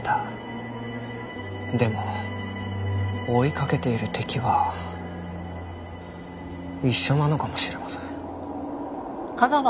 でも追いかけている敵は一緒なのかもしれません。